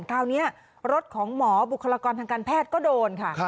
คราวนี้รถของหมอบุคลากรทางการแพทย์ก็โดนค่ะ